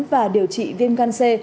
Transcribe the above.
và điều trị viêm gan c